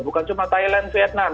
bukan cuma thailand vietnam